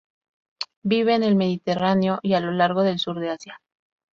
Vive en el Mediterráneo y a lo largo del sur de Asia.